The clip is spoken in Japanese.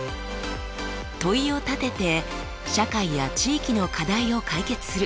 問いを立てて社会や地域の課題を解決する。